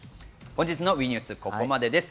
本日のＷＥニュース、ここまでです。